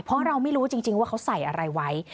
เพราะเราไม่รู้จริงว่าเขาใส่อะไรไว้